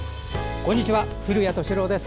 こんにちは、古谷敏郎です。